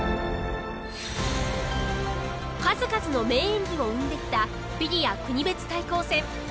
数々の名演技を生んできたフィギュア国別対抗戦。